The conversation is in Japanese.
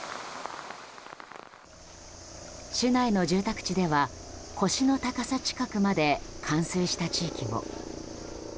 市内の住宅地では腰の高さ近くまで冠水した地域も。